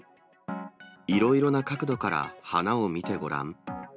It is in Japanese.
いろいろな角度から花を見てごらん。